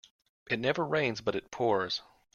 It never rains but it pours.